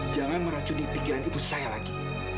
jangan meracuni pikiran ibu saya lagi